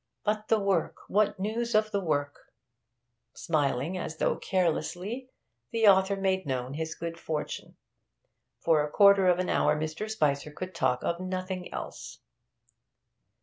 But the work what news of the work?' Smiling as though carelessly, the author made known his good fortune. For a quarter of an hour Mr. Spicer could talk of nothing else.